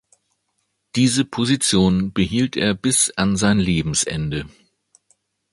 Diese Position behielt er bis an sein Lebensende.